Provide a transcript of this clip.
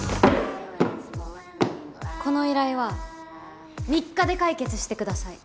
この依頼は３日で解決してください。